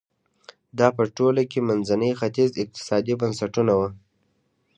دا په ټوله کې د منځني ختیځ اقتصادي بنسټونه وو.